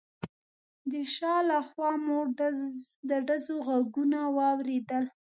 د شا له خوا مو د ډزو غږونه واورېدل.